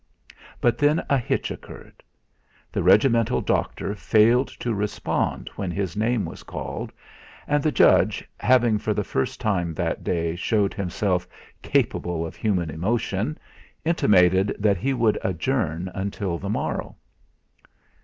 But then a hitch occurred. The regimental doctor failed to respond when his name was called; and the judge having for the first time that day showed himself capable of human emotion, intimated that he would adjourn until the morrow.